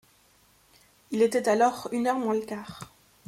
Il était alors une heure moins le quart.